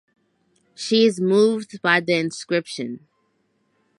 She is moved by the inscription.